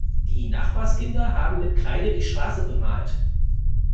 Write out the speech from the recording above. Die Nachbarskinder haben mit Kreide die Straße bemalt.